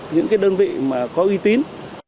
những cái đơn vị mà có uy tín